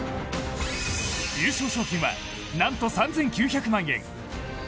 優勝賞金はなんと３９００万円。